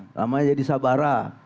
selamanya jadi sabara